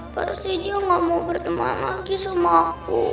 pasti dia gak mau berteman lagi sama aku